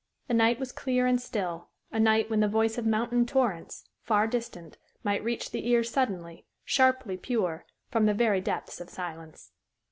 The night was clear and still a night when the voice of mountain torrents, far distant, might reach the ear suddenly sharply pure from the very depths of silence.